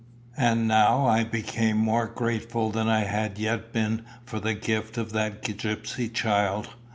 And now I became more grateful than I had yet been for the gift of that gipsy child.